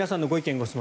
・ご質問